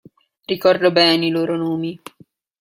Ricordo bene i loro nomi.